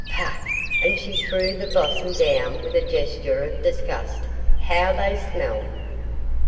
Pah!' and she threw the blossom down with a gesture of disgust. 'How they smell!